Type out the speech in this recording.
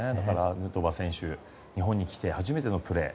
ヌートバー選手、日本に来て初めてのプレー。